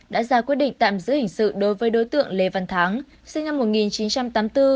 đã ra quyết định tạm giữ hình sự đối với đối tượng lê văn thắng sinh năm một nghìn chín trăm tám mươi bốn